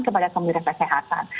kepada komunitas kesehatan